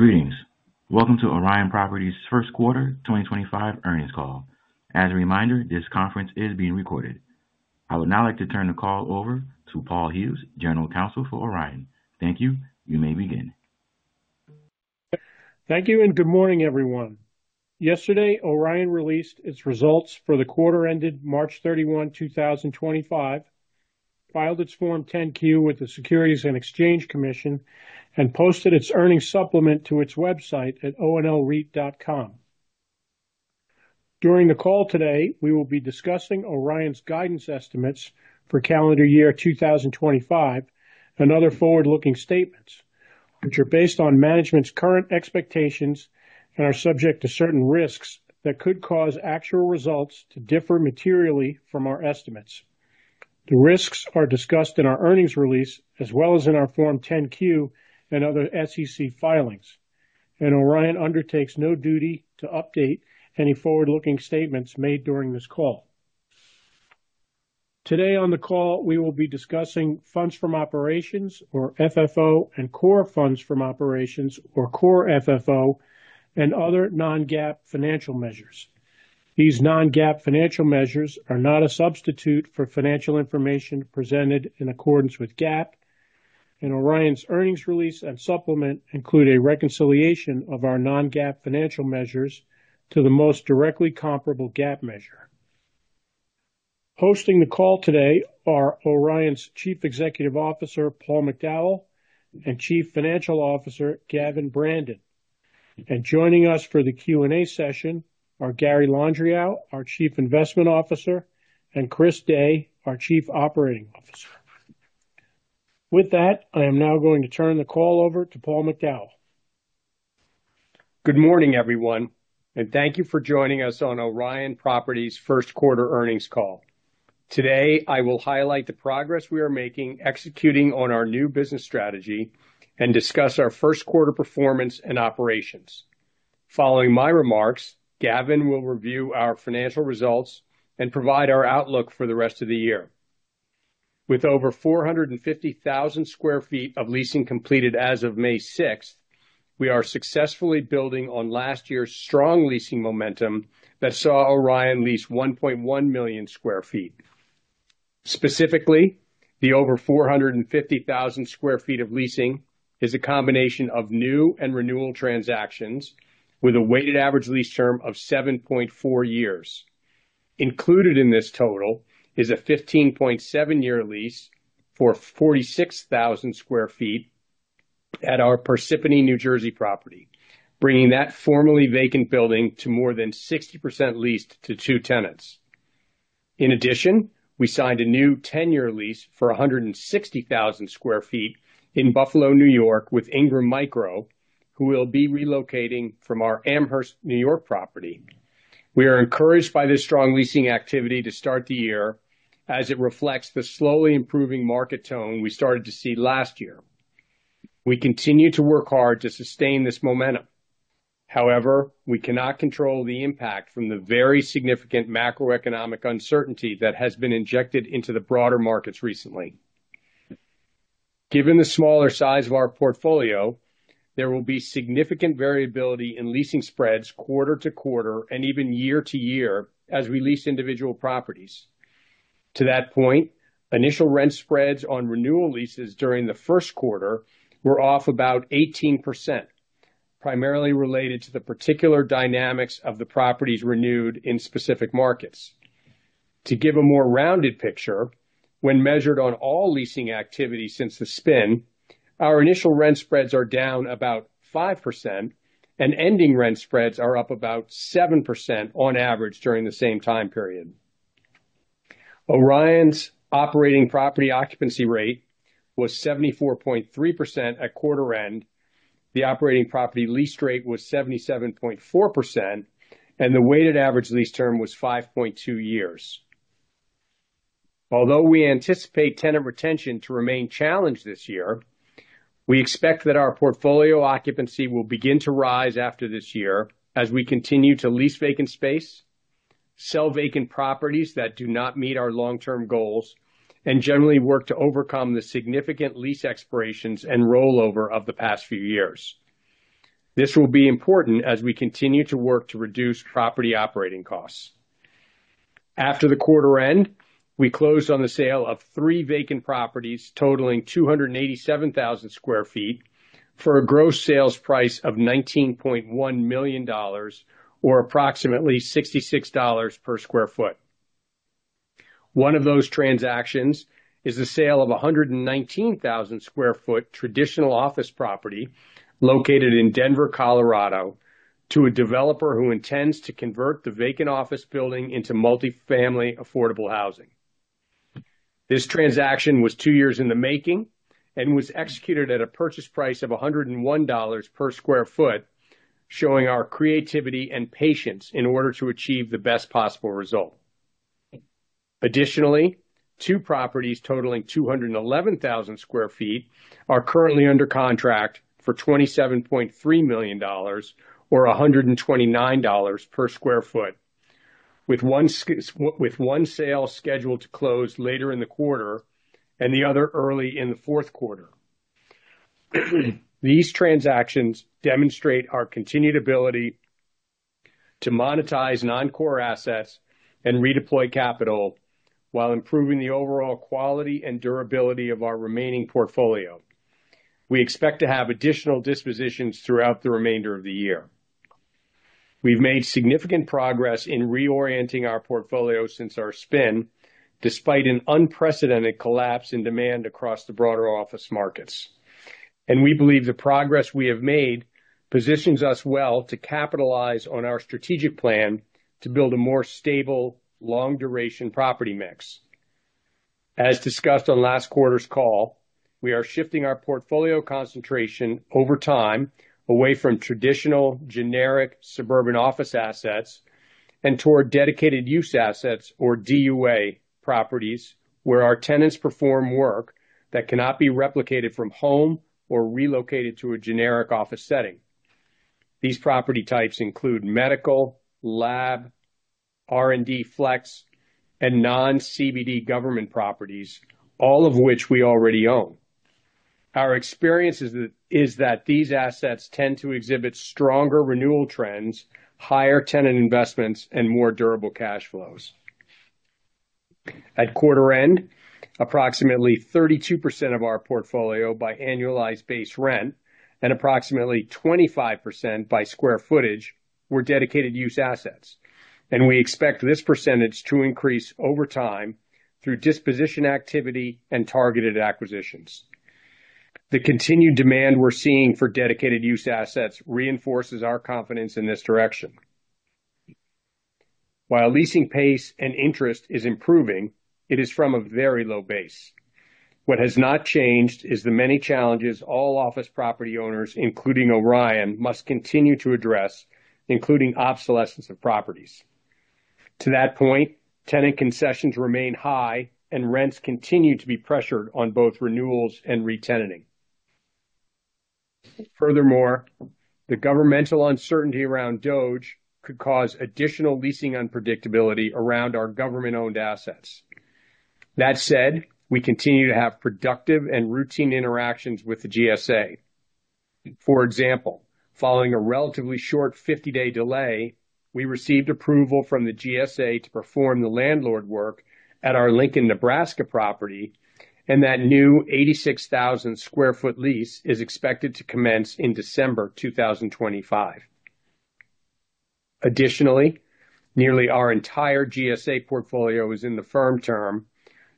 Greetings. Welcome to Orion Properties' first quarter 2025 earnings call. As a reminder, this conference is being recorded. I would now like to turn the call over to Paul Hughes, General Counsel for Orion. Thank you. You may begin. Thank you and good morning, everyone. Yesterday, Orion released its results for the quarter ended March 31, 2025, filed its Form 10-Q with the U.S. Securities and Exchange Commission, and posted its earnings supplement to its website at onlreit.com. During the call today, we will be discussing Orion's guidance estimates for calendar year 2025 and other forward-looking statements, which are based on management's current expectations and are subject to certain risks that could cause actual results to differ materially from our estimates. The risks are discussed in our earnings release as well as in our Form 10-Q and other SEC filings, and Orion undertakes no duty to update any forward-looking statements made during this call. Today on the call, we will be discussing funds from operations, or FFO, and core funds from operations, or core FFO, and other non-GAAP financial measures. These non-GAAP financial measures are not a substitute for financial information presented in accordance with GAAP, and Orion's earnings release and supplement include a reconciliation of our non-GAAP financial measures to the most directly comparable GAAP measure. Hosting the call today are Orion's Chief Executive Officer, Paul McDowell, and Chief Financial Officer, Gavin Brandon. Joining us for the Q&A session are Gary Landriau, our Chief Investment Officer, and Chris Day, our Chief Operating Officer. With that, I am now going to turn the call over to Paul McDowell. Good morning, everyone, and thank you for joining us on Orion Properties' first quarter earnings call. Today, I will highlight the progress we are making executing on our new business strategy and discuss our first quarter performance and operations. Following my remarks, Gavin will review our financial results and provide our outlook for the rest of the year. With over 450,000 sq ft of leasing completed as of May 6, we are successfully building on last year's strong leasing momentum that saw Orion lease 1.1 million sq ft. Specifically, the over 450,000 sq ft of leasing is a combination of new and renewal transactions with a weighted average lease term of 7.4 years. Included in this total is a 15.7-year lease for 46,000 sq ft at our Parsippany, New Jersey, property, bringing that formerly vacant building to more than 60% leased to two tenants. In addition, we signed a new 10-year lease for 160,000 sq ft in Buffalo, New York, with Ingram Micro, who will be relocating from our Amherst, New York, property. We are encouraged by this strong leasing activity to start the year as it reflects the slowly improving market tone we started to see last year. We continue to work hard to sustain this momentum. However, we cannot control the impact from the very significant macroeconomic uncertainty that has been injected into the broader markets recently. Given the smaller size of our portfolio, there will be significant variability in leasing spreads quarter to quarter and even year to year as we lease individual properties. To that point, initial rent spreads on renewal leases during the first quarter were off about 18%, primarily related to the particular dynamics of the properties renewed in specific markets. To give a more rounded picture, when measured on all leasing activity since the spin, our initial rent spreads are down about 5%, and ending rent spreads are up about 7% on average during the same time period. Orion's operating property occupancy rate was 74.3% at quarter end, the operating property lease rate was 77.4%, and the weighted average lease term was 5.2 years. Although we anticipate tenant retention to remain challenged this year, we expect that our portfolio occupancy will begin to rise after this year as we continue to lease vacant space, sell vacant properties that do not meet our long-term goals, and generally work to overcome the significant lease expirations and rollover of the past few years. This will be important as we continue to work to reduce property operating costs. After the quarter end, we closed on the sale of three vacant properties totaling 287,000 sq ft for a gross sales price of $19.1 million, or approximately $66 per sq ft. One of those transactions is the sale of a 119,000 sq ft traditional office property located in Denver, Colorado, to a developer who intends to convert the vacant office building into multifamily affordable housing. This transaction was two years in the making and was executed at a purchase price of $101 per sq ft, showing our creativity and patience in order to achieve the best possible result. Additionally, two properties totaling 211,000 sq ft are currently under contract for $27.3 million, or $129 per sq ft, with one sale scheduled to close later in the quarter and the other early in the fourth quarter. These transactions demonstrate our continued ability to monetize non-core assets and redeploy capital while improving the overall quality and durability of our remaining portfolio. We expect to have additional dispositions throughout the remainder of the year. We've made significant progress in reorienting our portfolio since our spin, despite an unprecedented collapse in demand across the broader office markets. We believe the progress we have made positions us well to capitalize on our strategic plan to build a more stable, long-duration property mix. As discussed on last quarter's call, we are shifting our portfolio concentration over time away from traditional generic suburban office assets and toward dedicated use assets, or DUA, properties where our tenants perform work that cannot be replicated from home or relocated to a generic office setting. These property types include medical, lab, R&D flex, and non-CBD government properties, all of which we already own. Our experience is that these assets tend to exhibit stronger renewal trends, higher tenant investments, and more durable cash flows. At quarter end, approximately 32% of our portfolio by annualized base rent and approximately 25% by square footage were dedicated use assets, and we expect this percentage to increase over time through disposition activity and targeted acquisitions. The continued demand we are seeing for dedicated use assets reinforces our confidence in this direction. While leasing pace and interest is improving, it is from a very low base. What has not changed is the many challenges all office property owners, including Orion, must continue to address, including obsolescence of properties. To that point, tenant concessions remain high, and rents continue to be pressured on both renewals and re-tenanting. Furthermore, the governmental uncertainty around DOGE could cause additional leasing unpredictability around our government-owned assets. That said, we continue to have productive and routine interactions with the GSA. For example, following a relatively short 50-day delay, we received approval from the GSA to perform the landlord work at our Lincoln, Nebraska, property, and that new 86,000 sq ft lease is expected to commence in December 2025. Additionally, nearly our entire GSA portfolio is in the firm term,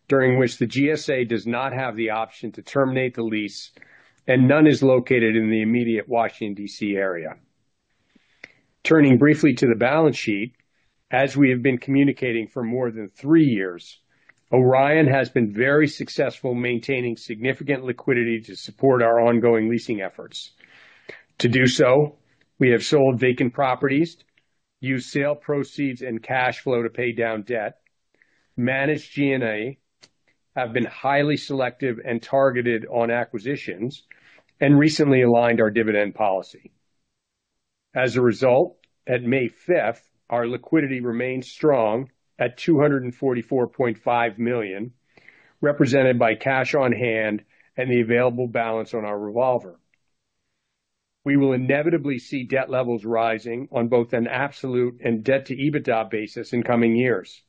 during which the GSA does not have the option to terminate the lease, and none is located in the immediate Washington, DC, area. Turning briefly to the balance sheet, as we have been communicating for more than three years, Orion has been very successful maintaining significant liquidity to support our ongoing leasing efforts. To do so, we have sold vacant properties, used sale proceeds and cash flow to pay down debt, managed G&A, have been highly selective and targeted on acquisitions, and recently aligned our dividend policy. As a result, at May 5, our liquidity remains strong at $244.5 million, represented by cash on hand and the available balance on our revolver. We will inevitably see debt levels rising on both an absolute and debt-to-EBITDA basis in coming years,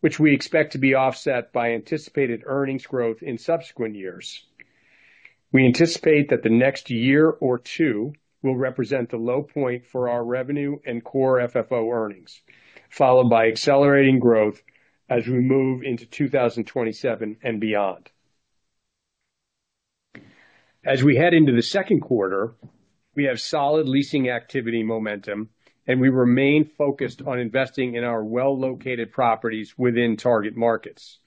which we expect to be offset by anticipated earnings growth in subsequent years. We anticipate that the next year or two will represent the low point for our revenue and core FFO earnings, followed by accelerating growth as we move into 2027 and beyond. As we head into the second quarter, we have solid leasing activity momentum, and we remain focused on investing in our well-located properties within target markets.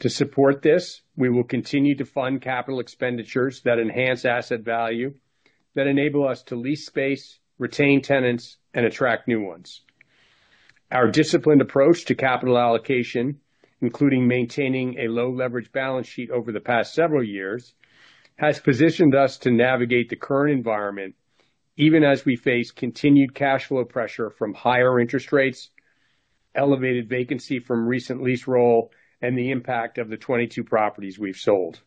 To support this, we will continue to fund capital expenditures that enhance asset value, that enable us to lease space, retain tenants, and attract new ones. Our disciplined approach to capital allocation, including maintaining a low-leverage balance sheet over the past several years, has positioned us to navigate the current environment, even as we face continued cash flow pressure from higher interest rates, elevated vacancy from recent lease roll, and the impact of the 22 properties we've sold.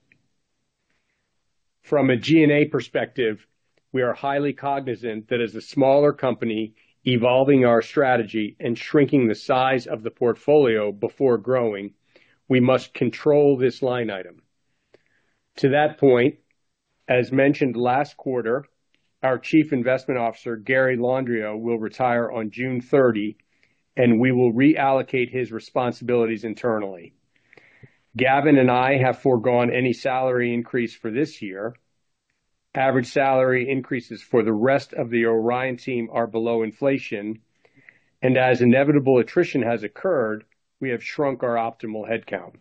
From a G&A perspective, we are highly cognizant that as a smaller company evolving our strategy and shrinking the size of the portfolio before growing, we must control this line item. To that point, as mentioned last quarter, our Chief Investment Officer, Gary Landriau, will retire on June 30, and we will reallocate his responsibilities internally. Gavin and I have foregone any salary increase for this year. Average salary increases for the rest of the Orion team are below inflation, and as inevitable attrition has occurred, we have shrunk our optimal headcount.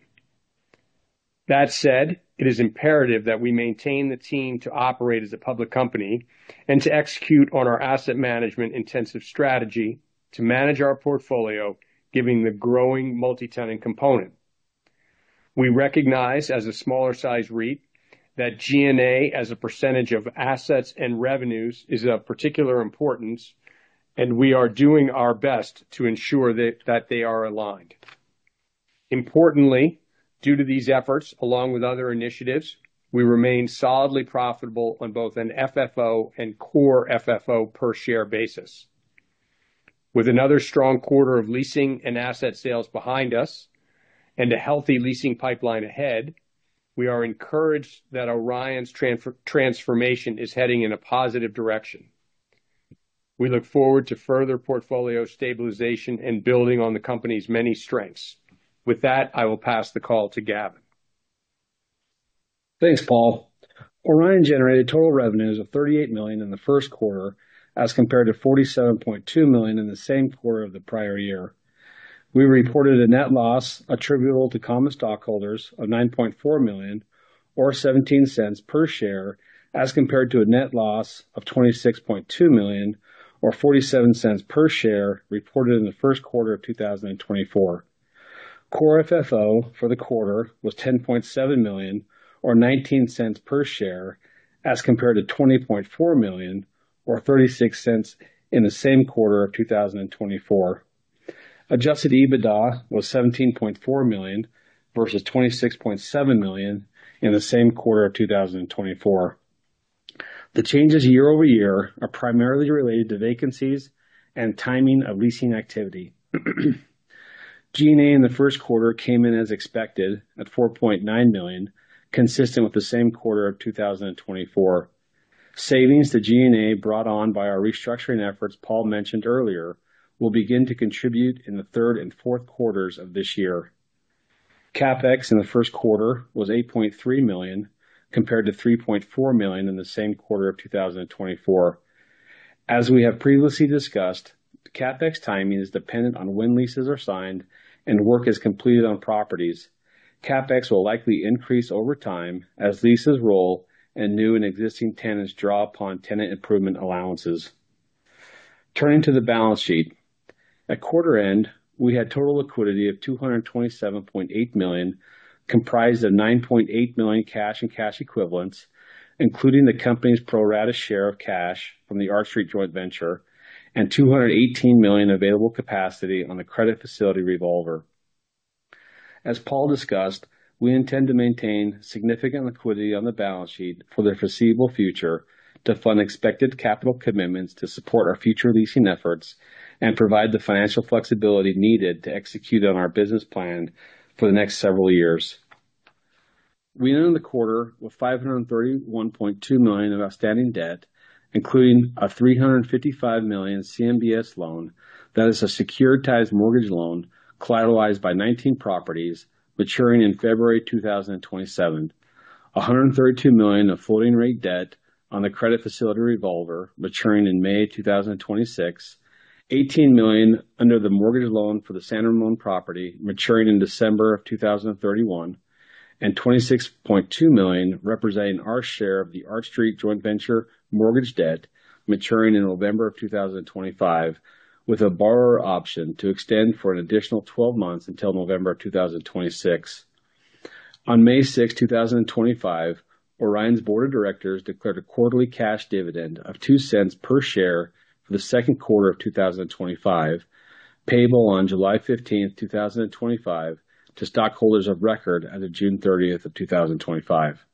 That said, it is imperative that we maintain the team to operate as a public company and to execute on our asset management intensive strategy to manage our portfolio, given the growing multi-tenant component. We recognize, as a smaller-sized REIT, that G&A as a percentage of assets and revenues is of particular importance, and we are doing our best to ensure that they are aligned. Importantly, due to these efforts, along with other initiatives, we remain solidly profitable on both an FFO and core FFO per share basis. With another strong quarter of leasing and asset sales behind us and a healthy leasing pipeline ahead, we are encouraged that Orion's transformation is heading in a positive direction. We look forward to further portfolio stabilization and building on the company's many strengths. With that, I will pass the call to Gavin. Thanks, Paul. Orion generated total revenues of $38 million in the first quarter as compared to $47.2 million in the same quarter of the prior year. We reported a net loss attributable to common stockholders of $9.4 million, or $0.17 per share, as compared to a net loss of $26.2 million, or $0.47 per share reported in the first quarter of 2024. Core FFO for the quarter was $10.7 million, or $0.19 per share, as compared to $20.4 million, or $0.36 per share in the same quarter of 2024. Adjusted EBITDA was $17.4 million versus $26.7 million in the same quarter of 2024. The changes year over year are primarily related to vacancies and timing of leasing activity. G&A in the first quarter came in as expected at $4.9 million, consistent with the same quarter of 2024. Savings the G&A brought on by our restructuring efforts Paul mentioned earlier will begin to contribute in the third and fourth quarters of this year. CapEx in the first quarter was $8.3 million compared to $3.4 million in the same quarter of 2024. As we have previously discussed, CapEx timing is dependent on when leases are signed and work is completed on properties. CapEx will likely increase over time as leases roll and new and existing tenants draw upon tenant improvement allowances. Turning to the balance sheet, at quarter end, we had total liquidity of $227.8 million, comprised of $9.8 million cash and cash equivalents, including the company's pro rata share of cash from the Arch Street Joint Venture and $218 million available capacity on the credit facility revolver. As Paul discussed, we intend to maintain significant liquidity on the balance sheet for the foreseeable future to fund expected capital commitments to support our future leasing efforts and provide the financial flexibility needed to execute on our business plan for the next several years. We ended the quarter with $531.2 million of outstanding debt, including a $355 million CMBS loan that is a securitized mortgage loan collateralized by 19 properties maturing in February 2027, $132 million of floating-rate debt on the credit facility revolver maturing in May 2026, $18 million under the mortgage loan for the San Ramon property maturing in December of 2031, and $26.2 million representing our share of the Arch Street Joint Venture mortgage debt maturing in November of 2025, with a borrower option to extend for an additional 12 months until November of 2026. On May 6, 2025, Orion's board of directors declared a quarterly cash dividend of $0.02 per share for the second quarter of 2025, payable on July 15, 2025, to stockholders of record as of June 30, 2025.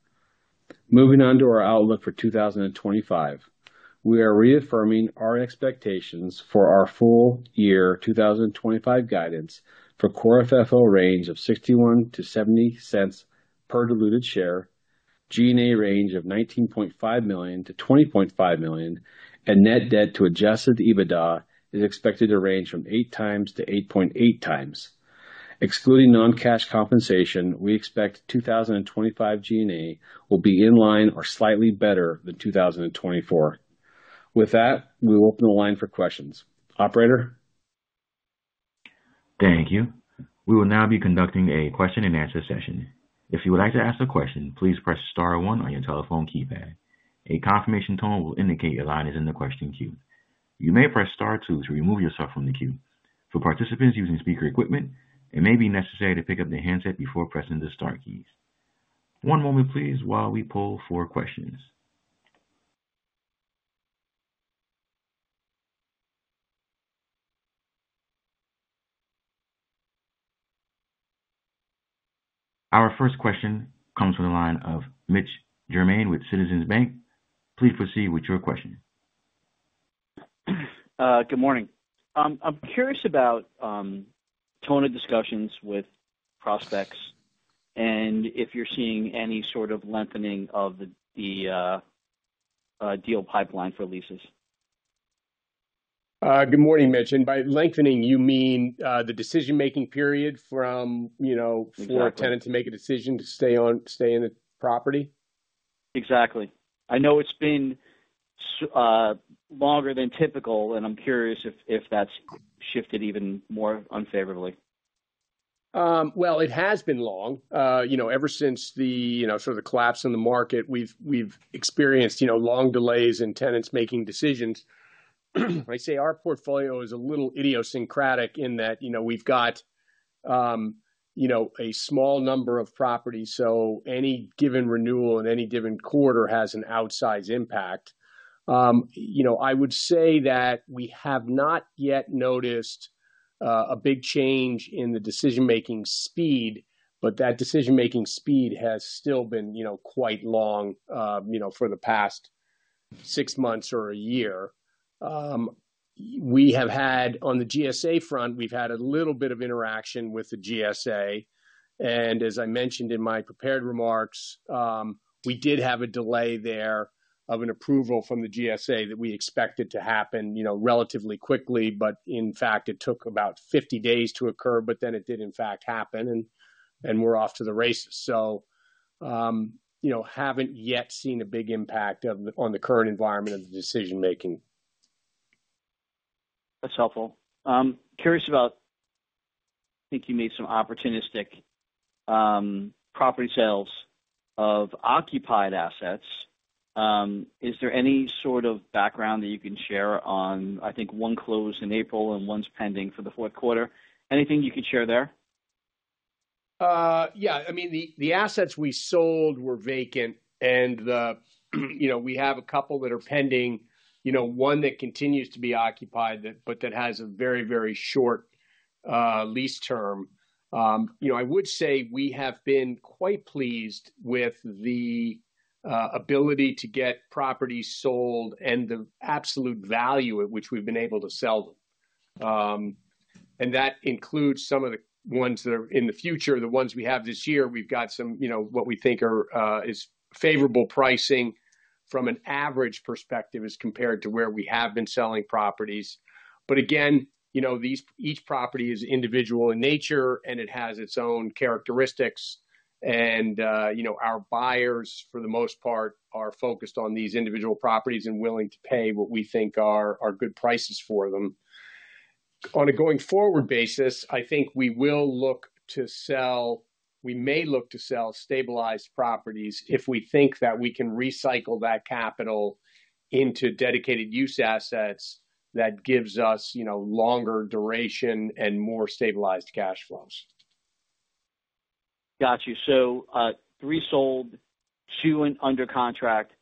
Moving on to our outlook for 2025, we are reaffirming our expectations for our full year 2025 guidance for core FFO range of $0.61-$0.70 per diluted share, G&A range of $19.5 million-$20.5 million, and net debt to adjusted EBITDA is expected to range from 8 times to 8.8 times. Excluding non-cash compensation, we expect 2025 G&A will be in line or slightly better than 2024. With that, we will open the line for questions. Operator? Thank you. We will now be conducting a question-and-answer session. If you would like to ask a question, please press Star 1 on your telephone keypad. A confirmation tone will indicate your line is in the question queue. You may press Star 2 to remove yourself from the queue. For participants using speaker equipment, it may be necessary to pick up the handset before pressing the star keys. One moment, please, while we pull for questions. Our first question comes from the line of Mitch Germain with Citizens Bank. Please proceed with your question. Good morning. I'm curious about tone of discussions with prospects and if you're seeing any sort of lengthening of the deal pipeline for leases. Good morning, Mitch. And by lengthening, you mean the decision-making period for a tenant to make a decision to stay in the property? Exactly. I know it's been longer than typical, and I'm curious if that's shifted even more unfavorably. It has been long. Ever since the sort of collapse in the market, we've experienced long delays in tenants making decisions. I say our portfolio is a little idiosyncratic in that we've got a small number of properties, so any given renewal in any given quarter has an outsized impact. I would say that we have not yet noticed a big change in the decision-making speed, but that decision-making speed has still been quite long for the past six months or a year. On the GSA front, we've had a little bit of interaction with the GSA. As I mentioned in my prepared remarks, we did have a delay there of an approval from the GSA that we expected to happen relatively quickly, but in fact, it took about 50 days to occur, but then it did in fact happen, and we're off to the races. Haven't yet seen a big impact on the current environment of the decision-making. That's helpful. Curious about, I think you made some opportunistic property sales of occupied assets. Is there any sort of background that you can share on, I think, one closed in April and one's pending for the fourth quarter? Anything you can share there? Yeah. I mean, the assets we sold were vacant, and we have a couple that are pending, one that continues to be occupied, but that has a very, very short lease term. I would say we have been quite pleased with the ability to get properties sold and the absolute value at which we've been able to sell them. That includes some of the ones that are in the future, the ones we have this year. We've got some what we think is favorable pricing from an average perspective as compared to where we have been selling properties. Each property is individual in nature, and it has its own characteristics. Our buyers, for the most part, are focused on these individual properties and willing to pay what we think are good prices for them. On a going-forward basis, I think we will look to sell, we may look to sell stabilized properties if we think that we can recycle that capital into dedicated use assets that gives us longer duration and more stabilized cash flows. Gotcha. So three sold, two under contract.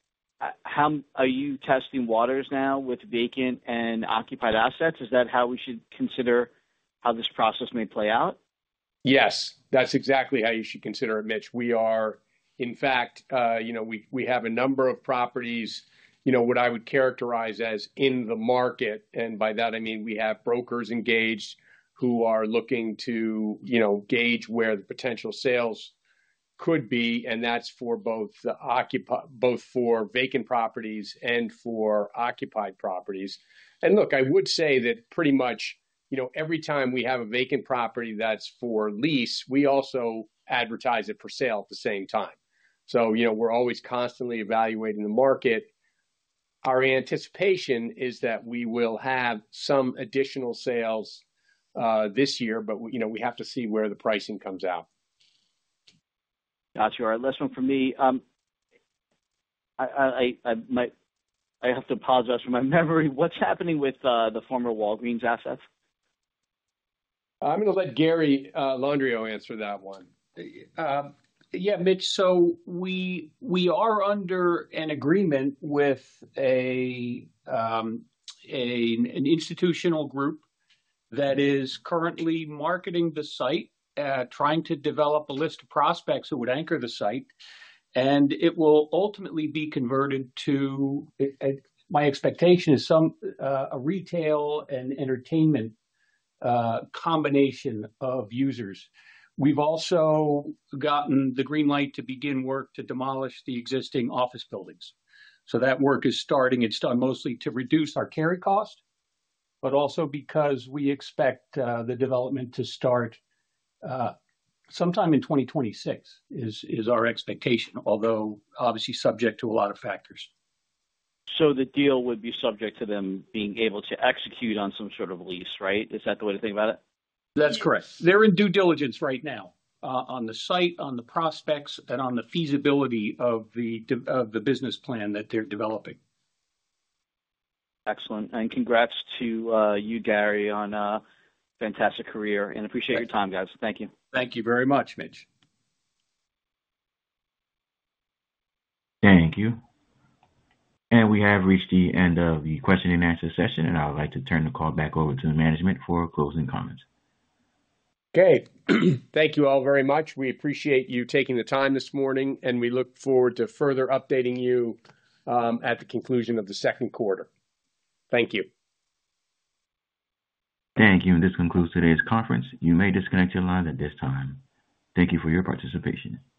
Are you testing waters now with vacant and occupied assets? Is that how we should consider how this process may play out? Yes. That's exactly how you should consider it, Mitch. We are, in fact, we have a number of properties, what I would characterize as in the market. By that, I mean we have brokers engaged who are looking to gauge where the potential sales could be. That's for both vacant properties and for occupied properties. I would say that pretty much every time we have a vacant property that's for lease, we also advertise it for sale at the same time. We're always constantly evaluating the market. Our anticipation is that we will have some additional sales this year, but we have to see where the pricing comes out. Gotcha. All right. Last one from me. I have to apologize for my memory. What's happening with the former Walgreens assets? I'm going to let Gary Landriau answer that one. Yeah, Mitch. We are under an agreement with an institutional group that is currently marketing the site, trying to develop a list of prospects who would anchor the site. It will ultimately be converted to, my expectation is, a retail and entertainment combination of users. We have also gotten the green light to begin work to demolish the existing office buildings. That work is starting. It is done mostly to reduce our carry cost, but also because we expect the development to start sometime in 2026 is our expectation, although obviously subject to a lot of factors. The deal would be subject to them being able to execute on some sort of lease, right? Is that the way to think about it? That's correct. They're in due diligence right now on the site, on the prospects, and on the feasibility of the business plan that they're developing. Excellent. Congratulations to you, Gary, on a fantastic career. I appreciate your time, guys. Thank you. Thank you very much, Mitch. Thank you. We have reached the end of the question-and-answer session, and I would like to turn the call back over to the management for closing comments. Okay. Thank you all very much. We appreciate you taking the time this morning, and we look forward to further updating you at the conclusion of the second quarter. Thank you. Thank you. This concludes today's conference. You may disconnect your lines at this time. Thank you for your participation.